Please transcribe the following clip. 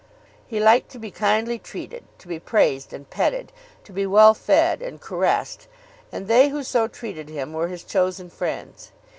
He liked to be kindly treated, to be praised and petted, to be well fed and caressed; and they who so treated him were his chosen friends.